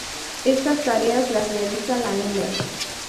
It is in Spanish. Estas tareas las realiza la hembra.